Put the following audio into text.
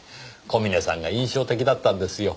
小峰さんが印象的だったんですよ。